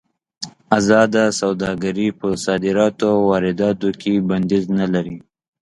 ازاده سوداګري په صادراتو او وارداتو کې بندیز نه لري.